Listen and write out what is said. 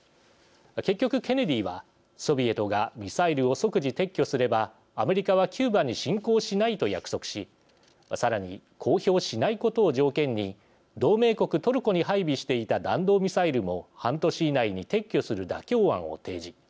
結局ケネディは、ソビエトがミサイルを即時撤去すればアメリカはキューバに侵攻しないと約束しさらに、公表しないことを条件に同盟国トルコに配備していた弾道ミサイルも半年以内に撤去する妥協案を提示。